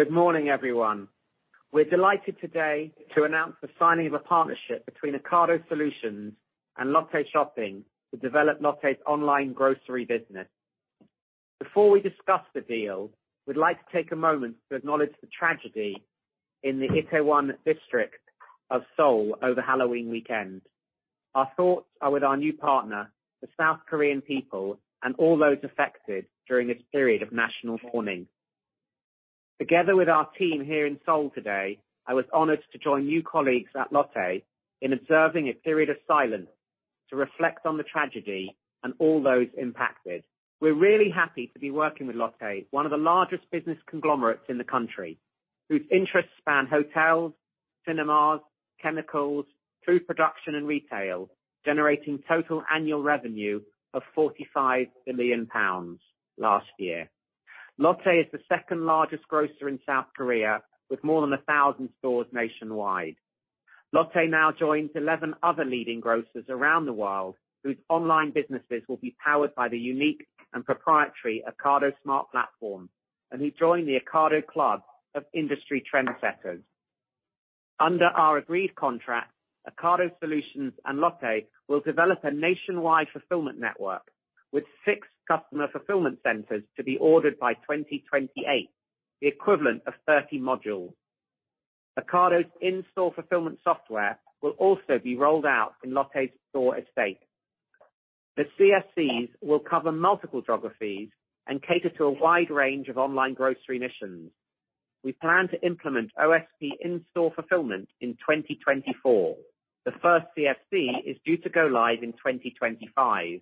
Good morning, everyone. We're delighted today to announce the signing of a partnership between Ocado Solutions and Lotte Shopping to develop Lotte's online grocery business. Before we discuss the deal, we'd like to take a moment to acknowledge the tragedy in the Itaewon District of Seoul over Halloween weekend. Our thoughts are with our new partner, the South Korean people, and all those affected during this period of national mourning. Together with our team here in Seoul today, I was honored to join new colleagues at Lotte in observing a period of silence to reflect on the tragedy and all those impacted. We're really happy to be working with Lotte, one of the largest business conglomerates in the country, whose interests span hotels, cinemas, chemicals, food production and retail, generating total annual revenue of 45 billion pounds last year. Lotte is the second-largest grocer in South Korea with more than 1,000 stores nationwide. Lotte now joins 11 other leading grocers around the world whose online businesses will be powered by the unique and proprietary Ocado Smart Platform, and who join the Ocado club of industry trendsetters. Under our agreed contract, Ocado Solutions and Lotte will develop a nationwide fulfillment network with 6 customer fulfillment centers to be ordered by 2028, the equivalent of 30 modules. Ocado's In-Store Fulfillment software will also be rolled out in Lotte's store estate. The CFCs will cover multiple geographies and cater to a wide range of online grocery missions. We plan to implement OSP In-Store Fulfillment in 2024. The first CFC is due to go live in 2025.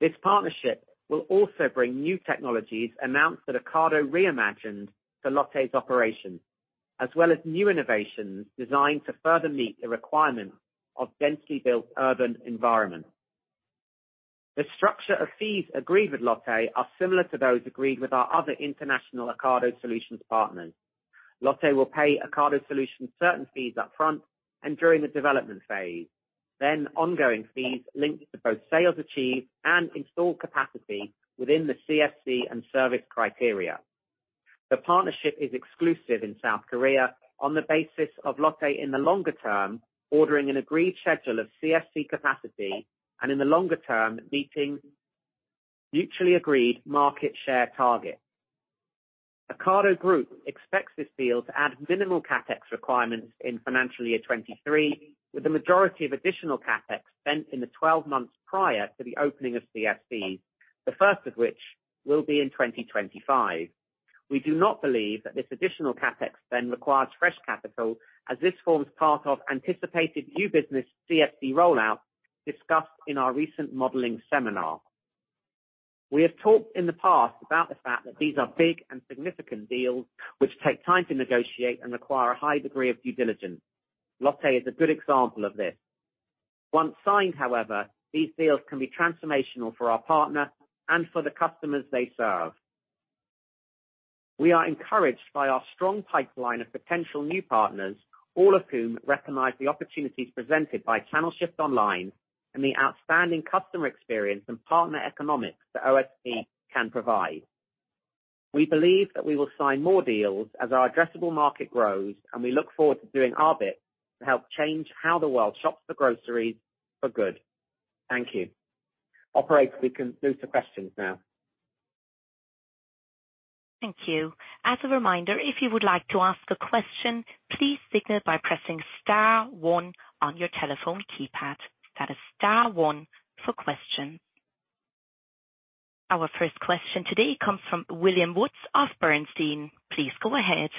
This partnership will also bring new technologies announced that Ocado Reimagined for Lotte's operations, as well as new innovations designed to further meet the requirements of densely built urban environments. The structure of fees agreed with Lotte are similar to those agreed with our other international Ocado Solutions partners. Lotte will pay Ocado Solutions certain fees up front and during the development phase, then ongoing fees linked to both sales achieved and installed capacity within the CFC and service criteria. The partnership is exclusive in South Korea on the basis of Lotte in the longer term, ordering an agreed schedule of CFC capacity and in the longer term, meeting mutually agreed market share targets. Ocado Group expects this deal to add minimal CapEx requirements in financial year 2023, with the majority of additional CapEx spent in the 12 months prior to the opening of CFC, the first of which will be in 2025. We do not believe that this additional CapEx then requires fresh capital, as this forms part of anticipated new business CFC rollout discussed in our recent modeling seminar. We have talked in the past about the fact that these are big and significant deals which take time to negotiate and require a high degree of due diligence. Lotte is a good example of this. Once signed, however, these deals can be transformational for our partner and for the customers they serve. We are encouraged by our strong pipeline of potential new partners, all of whom recognize the opportunities presented by channel shift online and the outstanding customer experience and partner economics that OSP can provide. We believe that we will sign more deals as our addressable market grows, and we look forward to doing our bit to help change how the world shops for groceries for good. Thank you. Operator, we can move to questions now. Thank you. As a reminder, if you would like to ask a question, please signal by pressing star one on your telephone keypad. That is star one for questions. Our first question today comes from William Woods of Bernstein. Please go ahead.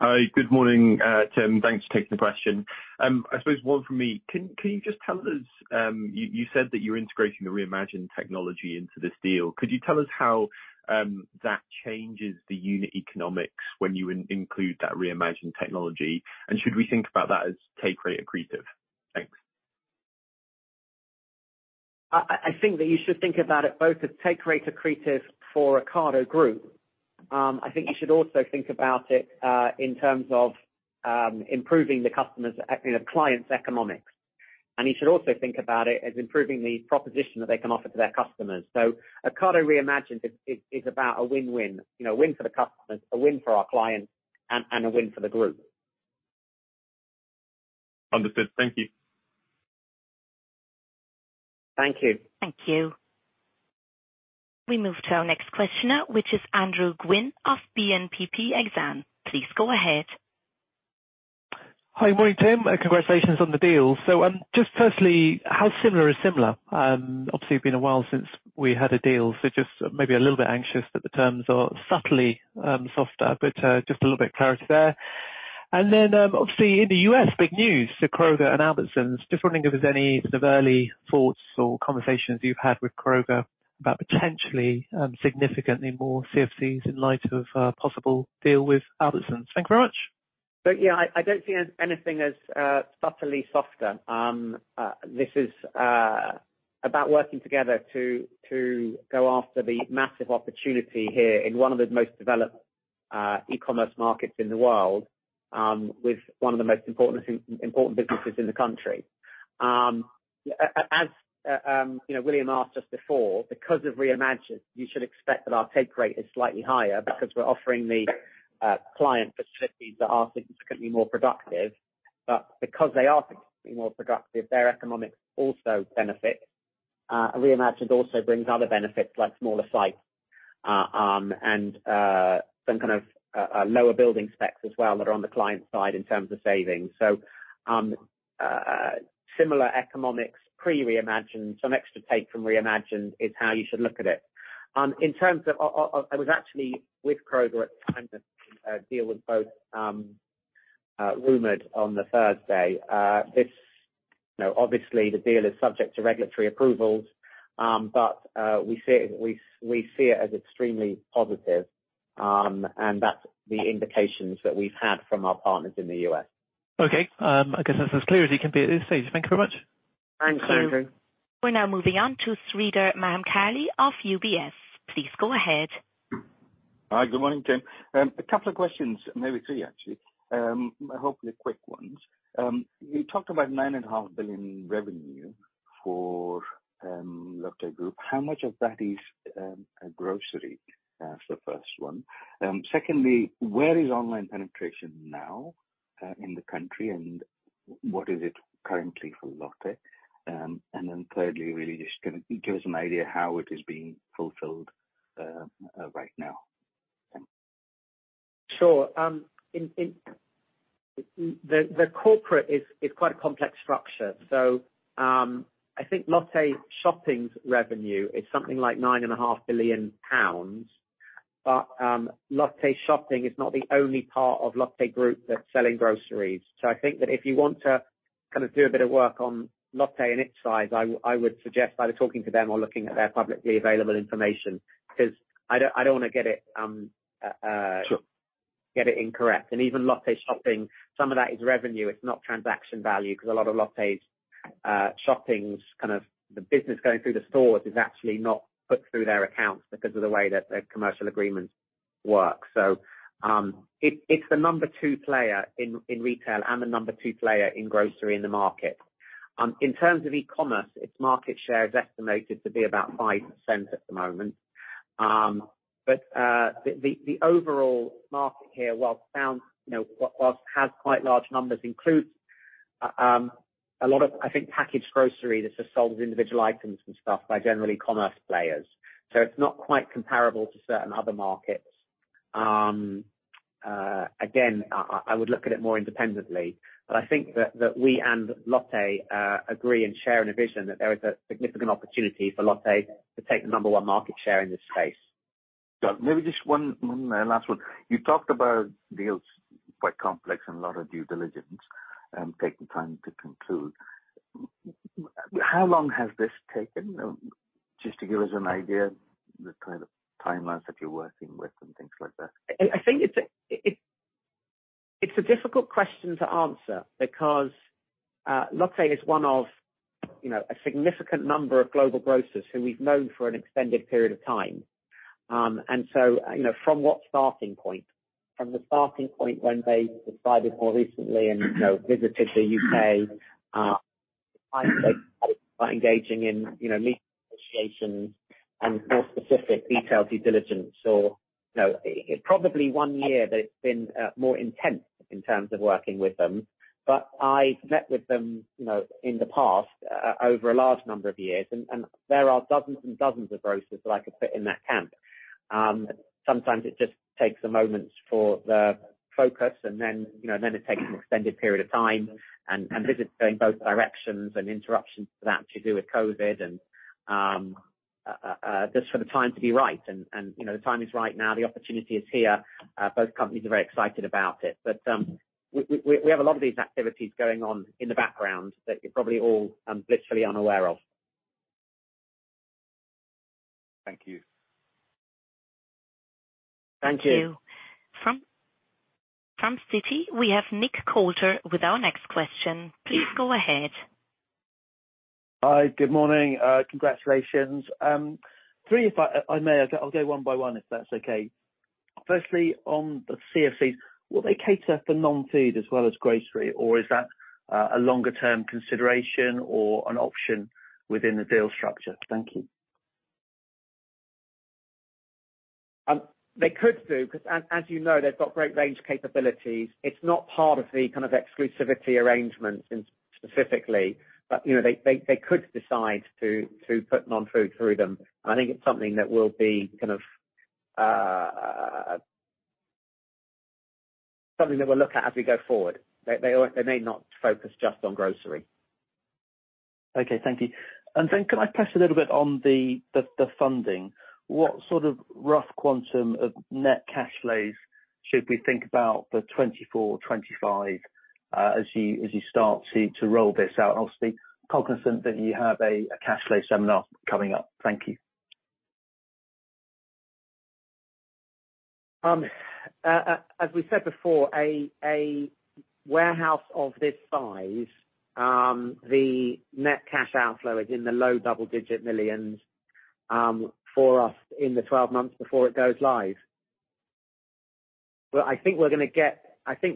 Hi. Good morning, Tim. Thanks for taking the question. I suppose one from me. Can you just tell us you said that you're integrating the reimagined technology into this deal. Could you tell us how that changes the unit economics when you include that reimagined technology? Should we think about that as take rate accretive? Thanks. I think that you should think about it both as take rate accretive for Ocado Group. I think you should also think about it in terms of improving the client's economics. You should also think about it as improving the proposition that they can offer to their customers. Ocado Reimagined is about a win-win, you know, a win for the customers, a win for our clients and a win for the group. Understood. Thank you. Thank you. Thank you. We move to our next questioner, which is Andrew Gwynn of BNPP Exane. Please go ahead. Hi. Good morning, Tim, and congratulations on the deal. Just personally, how similar is similar? Obviously it's been a while since we had a deal, so just maybe a little bit anxious that the terms are subtly softer, but just a little bit of clarity there. Obviously in the U.S., big news, the Kroger and Albertsons. Just wondering if there's any sort of early thoughts or conversations you've had with Kroger about potentially significantly more CFCs in light of a possible deal with Albertsons. Thank you very much. Yeah, I don't see anything as subtly softer. This is about working together to go after the massive opportunity here in one of the most developed e-commerce markets in the world, with one of the most important businesses in the country. As you know, William asked just before, because of Reimagined, you should expect that our take rate is slightly higher because we're offering the client facilities that are significantly more productive. But because they are significantly more productive, their economics also benefit. Reimagined also brings other benefits like smaller sites and some kind of lower building specs as well that are on the client side in terms of savings. Similar economics pre-Reimagined. Some extra take from Reimagined is how you should look at it. In terms of, I was actually with Kroger at the time the deal was rumored on the Thursday. You know, obviously the deal is subject to regulatory approvals, but we see it as extremely positive. That's the indications that we've had from our partners in the U.S. Okay. I guess that's as clear as it can be at this stage. Thank you very much. Thanks, Andrew. We're now moving on to Sreedhar Mahamkali of UBS. Please go ahead. Hi, good morning, Tim. A couple of questions, maybe three actually, hopefully quick ones. You talked about 9.5 billion revenue for Lotte Group. How much of that is grocery? That's the first one. Secondly, where is online penetration now in the country, and what is it currently for Lotte? And then thirdly, really just can give us an idea how it is being fulfilled right now. Thanks. Sure. The corporation is quite a complex structure. I think Lotte Shopping's revenue is something like 9.5 billion pounds. Lotte Shopping is not the only part of Lotte Group that's selling groceries. I think that if you want to kind of do a bit of work on Lotte and its size, I would suggest either talking to them or looking at their publicly available information, 'cause I don't wanna get it. Sure. Get it incorrect. Even Lotte Shopping, some of that is revenue, it's not transaction value, 'cause a lot of Lotte Shopping's kind of the business going through the stores is actually not put through their accounts because of the way that their commercial agreements work. It, it's the number two player in retail and the number two player in grocery in the market. In terms of e-commerce, its market share is estimated to be about 5% at the moment. But the overall market here, whilst it has quite large numbers, includes a lot of, I think, packaged grocery that's just sold as individual items and stuff by general commerce players. It's not quite comparable to certain other markets. Again, I would look at it more independently, but I think that we and Lotte agree and share in a vision that there is a significant opportunity for Lotte to take the number one market share in this space. Maybe just one last one. You talked about deals quite complex and a lot of due diligence and taking time to conclude. How long has this taken? Just to give us an idea, the kind of timelines that you're working with and things like that. I think it's a difficult question to answer because Lotte is one of, you know, a significant number of global grocers who we've known for an extended period of time. You know, from what starting point? From the starting point when they decided more recently and, you know, visited the UK by engaging in, you know, led negotiations and more specific detailed due diligence or, you know. It's probably one year that it's been more intense in terms of working with them. I've met with them, you know, in the past over a large number of years, and there are dozens and dozens of grocers that I could fit in that camp. Sometimes it just takes a moment for the focus and then, you know, then it takes an extended period of time and visits going both directions and interruptions to that to do with COVID and just for the time to be right and, you know, the time is right now. The opportunity is here. Both companies are very excited about it. We have a lot of these activities going on in the background that you're probably all blissfully unaware of. Thank you. Thank you. Thank you. From Citi, we have Nick Coulter with our next question. Please go ahead. Hi, good morning. Congratulations. Three if I may. I'll go one by one, if that's okay. Firstly, on the CFCs, will they cater for non-food as well as grocery, or is that a longer term consideration or an option within the deal structure? Thank you. They could do, 'cause as you know, they've got great range capabilities. It's not part of the kind of exclusivity arrangements in specifically. You know, they could decide to put non-food through them. I think it's something that we'll look at as we go forward. They may not focus just on grocery. Okay. Thank you. Can I press a little bit on the funding? What sort of rough quantum of net cash flows should we think about for 2024, 2025, as you start to roll this out? Obviously, cognizant that you have a cash flow seminar coming up. Thank you. As we said before, a warehouse of this size, the net cash outflow is in the low double-digit millions for us in the 12 months before it goes live. Well, I think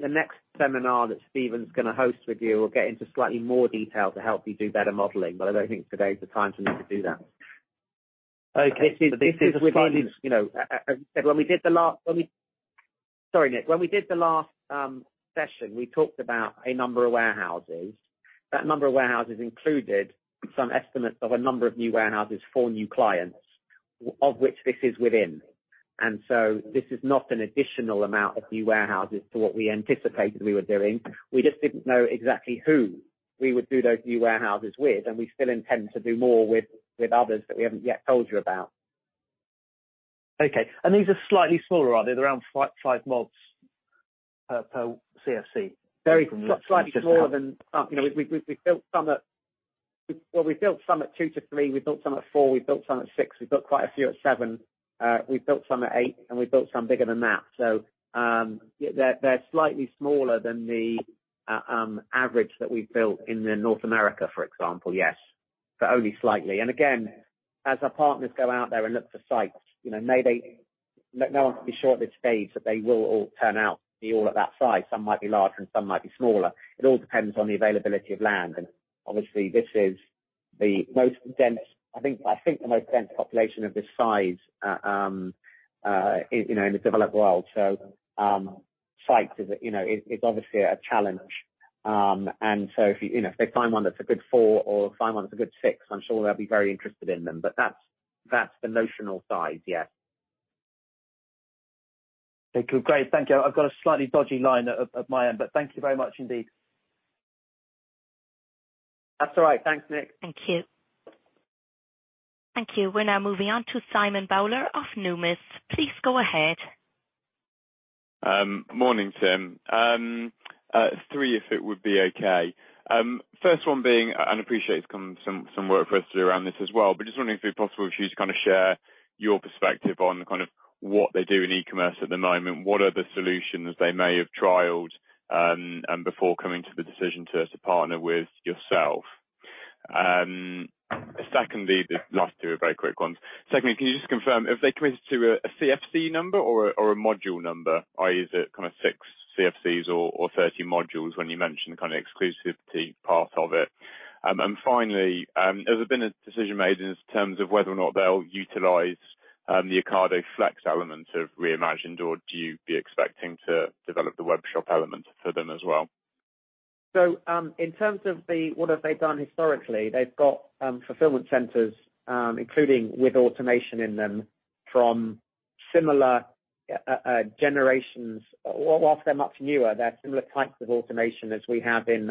the next seminar that Stephen gonna host with you will get into slightly more detail to help you do better modeling, but I don't think today's the time for me to do that. Okay. This is within- You know, Sorry, Nick. When we did the last session, we talked about a number of warehouses. That number of warehouses included some estimates of a number of new warehouses for new clients, of which this is within. This is not an additional amount of new warehouses to what we anticipated we were doing. We just didn't know exactly who we would do those new warehouses with, and we still intend to do more with others that we haven't yet told you about. Okay. These are slightly smaller. Are they around five mods per CFC? Very slightly smaller than you know we've built some at 2-3. Well, we built some at four. We built some at six. We built quite a few at seven. We built some at eight, and we built some bigger than that. They're slightly smaller than the average that we've built in North America, for example, yes. Only slightly. Again, as our partners go out there and look for sites, you know, maybe no one can be sure at this stage that they will all turn out to be all at that size. Some might be larger, and some might be smaller. It all depends on the availability of land, and obviously, this is the most dense. I think the most dense population of this size, you know, in the developed world. Site is, you know, obviously a challenge. If, you know, if they find one that's a good four or find one that's a good six, I'm sure they'll be very interested in them. That's the notional size, yes. Okay, great. Thank you. I've got a slightly dodgy line on my end, but thank you very much indeed. That's all right. Thanks, Nick. We're now moving on to Simon Bowler of Numis. Please go ahead. Morning, Tim. Three, if it would be okay. First one being, appreciate it's come some work for us to do around this as well, but just wondering if it'd be possible for you to kinda share your perspective on kind of what they do in e-commerce at the moment. What are the solutions they may have trialed before coming to the decision to partner with yourself. Secondly, the last two are very quick ones. Secondly, can you just confirm if they committed to a CFC number or a module number? Is it kinda six CFCs or 30 modules when you mention the kinda exclusivity part of it? Finally, has there been a decision made in terms of whether or not they'll utilize the Ocado Flex element of Ocado Reimagined, or are you expecting to develop the webshop element for them as well? In terms of what have they done historically, they've got fulfillment centers including with automation in them from similar generations. While they're much newer, they're similar types of automation as we have in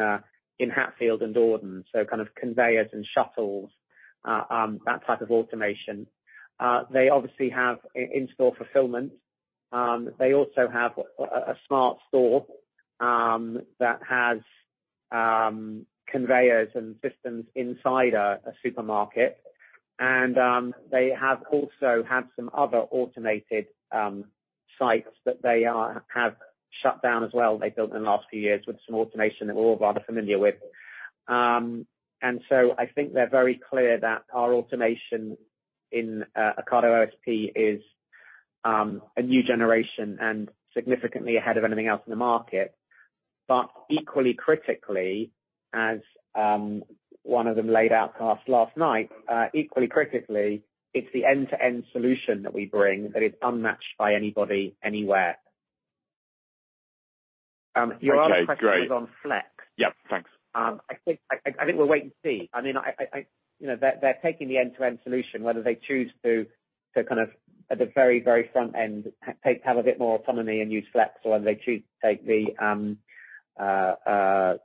Hatfield and Dordon, so kind of conveyors and shuttles, that type of automation. They obviously have in-store fulfillment. They also have a smart store that has conveyors and systems inside a supermarket. They have also had some other automated sites that they have shut down as well, they built in the last few years with some automation that we're all rather familiar with. I think they're very clear that our automation in Ocado OSP is a new generation and significantly ahead of anything else in the market. Equally critically, as one of them laid out for us last night, it's the end-to-end solution that we bring that is unmatched by anybody anywhere. Your other question is on Flex. Yep. Thanks. I think we'll wait and see. I mean, You know, they're taking the end-to-end solution, whether they choose to kind of, at the very front end, have a bit more autonomy and use Flex or whether they choose to take the front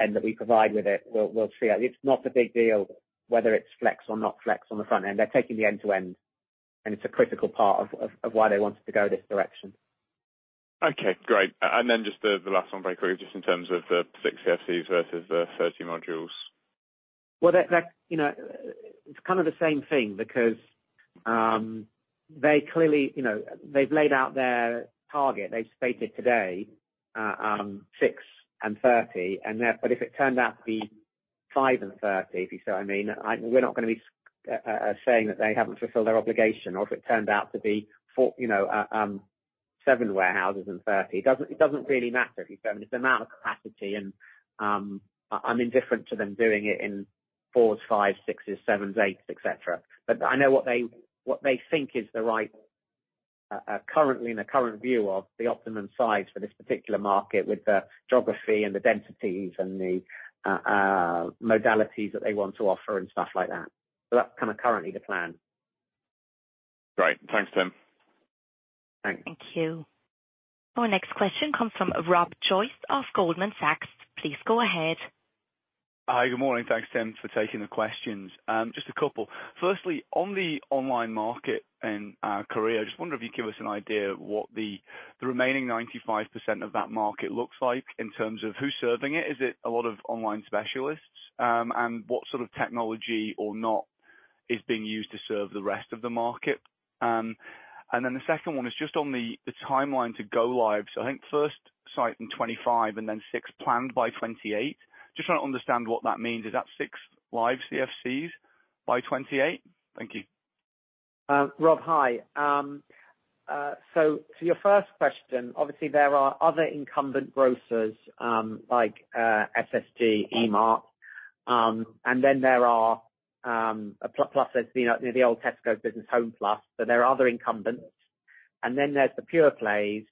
end that we provide with it. We'll see. It's not a big deal whether it's Flex or not Flex on the front end. They're taking the end to end, and it's a critical part of why they wanted to go this direction. Okay, great. Just the last one very quick, just in terms of the 6 CFCs versus the 30 modules. Well, that you know, it's kind of the same thing because they clearly, you know, they've laid out their target. They've stated today 6 and 30, and that. If it turned out to be 5 and 30, if you see what I mean, we're not gonna be saying that they haven't fulfilled their obligation. If it turned out to be four, you know, seven warehouses and 30. It doesn't really matter, if you see what I mean. It's the amount of capacity and I'm indifferent to them doing it in fours, fives, sixes, sevens, eights, et cetera. I know what they think is the right currently in the current view of the optimum size for this particular market with the geography and the densities and the modalities that they want to offer and stuff like that. That's kinda currently the plan. Great. Thanks, Tim. Thanks. Thank you. Our next question comes from Rob Joyce of Goldman Sachs. Please go ahead. Hi. Good morning. Thanks, Tim, for taking the questions. Just a couple. Firstly, on the online market in Korea, I just wonder if you could give us an idea of what the remaining 95% of that market looks like in terms of who's serving it. Is it a lot of online specialists? And what sort of technology or not is being used to serve the rest of the market? And then the second one is just on the timeline to go live. I think first site in 2025 and then six planned by 2028. Just trying to understand what that means. Is that six live CFCs? By 2028? Thank you. Rob, hi. So for your first question, obviously there are other incumbent grocers, like SSG, E-Mart, and then there are plus there's, you know, the old Tesco business, Homeplus. There are other incumbents. There's the pure plays,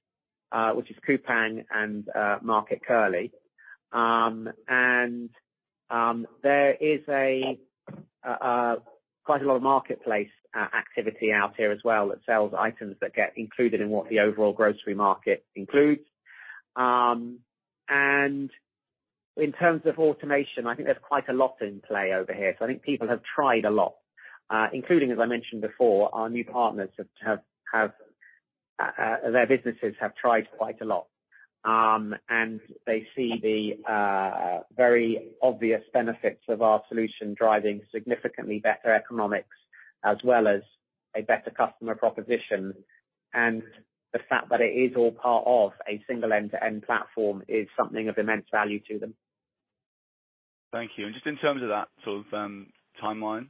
which is Coupang and Market Kurly. There is quite a lot of marketplace activity out here as well that sells items that get included in what the overall grocery market includes. In terms of automation, I think there's quite a lot in play over here. I think people have tried a lot, including, as I mentioned before, our new partners have their businesses have tried quite a lot. They see the very obvious benefits of our solution driving significantly better economics as well as a better customer proposition. The fact that it is all part of a single end-to-end platform is something of immense value to them. Thank you. Just in terms of that sort of, timeline.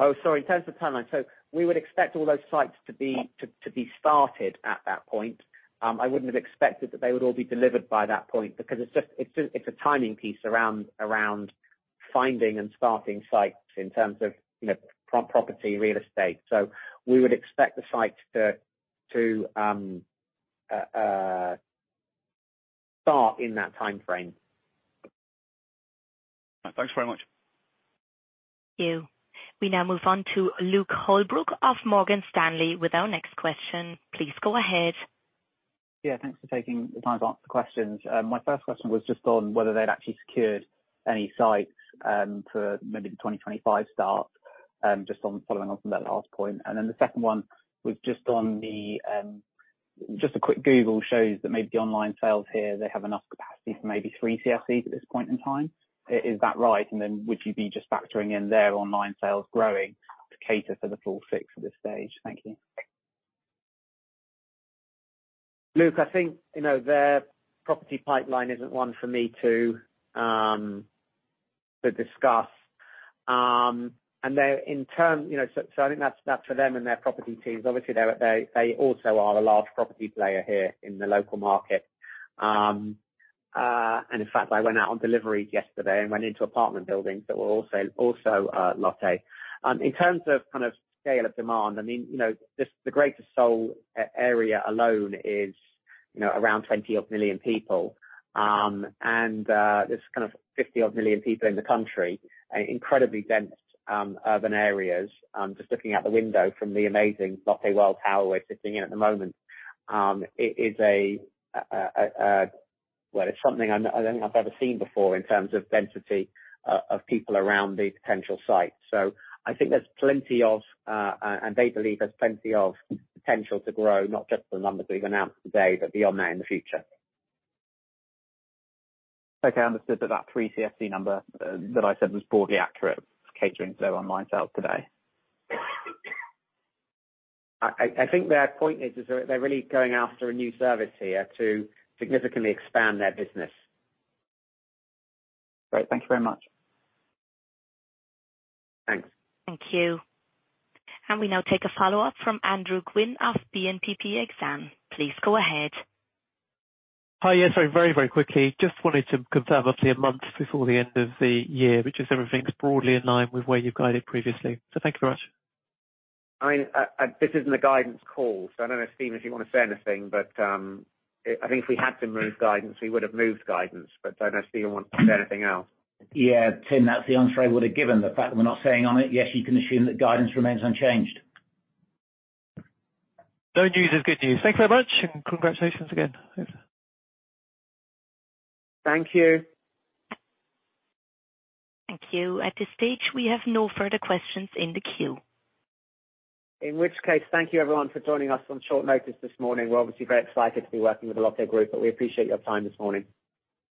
Oh, sorry, in terms of timeline. We would expect all those sites to be started at that point. I wouldn't have expected that they would all be delivered by that point because it's just a timing piece around finding and starting sites in terms of, you know, property, real estate. We would expect the sites to start in that timeframe. Thanks very much. Thank you. We now move on to Luke Holbrook of Morgan Stanley with our next question. Please go ahead. Yeah, thanks for taking the time to answer the questions. My first question was just on whether they'd actually secured any sites for maybe the 2025 start, just on following on from that last point. The second one was just on the, just a quick Google shows that maybe the online sales here, they have enough capacity for maybe three CFCs at this point in time. Is that right? Would you be just factoring in their online sales growing to cater for the full six at this stage? Thank you. Luke, I think, you know, their property pipeline isn't one for me to discuss. They're in turn, you know, I think that's for them and their property teams. Obviously, they also are a large property player here in the local market. In fact, I went out on deliveries yesterday and went into apartment buildings that were also Lotte. In terms of kind of scale of demand, I mean, you know, this, the greater Seoul area alone is, you know, around 20-odd million people. There's kind of 50-odd million people in the country and incredibly dense urban areas. Just looking out the window from the amazing Lotte World Tower we're sitting in at the moment, it is, well, it's something I've never seen before in terms of density of people around these potential sites. I think there's plenty of, and they believe there's plenty of potential to grow, not just the numbers we've announced today, but beyond that in the future. Okay. I understood that three CFC number that I said was broadly accurate catering to their online sales today. I think their point is they're really going after a new service here to significantly expand their business. Great. Thank you very much. Thanks. Thank you. We now take a follow-up from Andrew Gwynn of BNPP Exane. Please go ahead. Hi. Yeah, sorry. Very, very quickly. Just wanted to confirm obviously a month before the end of the year, which is everything's broadly in line with where you've guided previously. Thank you very much. I mean, this isn't a guidance call, so I don't know, Stephen, if you want to say anything, but I think if we had to move guidance, we would have moved guidance. But I don't know if Stephen wants to say anything else. Yeah. Tim, that's the answer I would have given. The fact that we're not saying on it, yes, you can assume that guidance remains unchanged. No news is good news. Thank you very much, and congratulations again. Over. Thank you. Thank you. At this stage, we have no further questions in the queue. In which case, thank you everyone for joining us on short notice this morning. We're obviously very excited to be working with the Lotte Group, but we appreciate your time this morning.